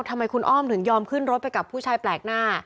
ทำไมคุณอ้อมถึงยอมขึ้นรถไปกับผู้ชายแปลกหน้า